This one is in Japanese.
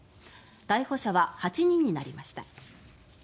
逮捕者は８人になりました。